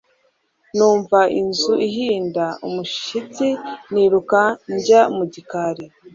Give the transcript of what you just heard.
Numva inzu ihinda umushyitsi niruka njya mu gikari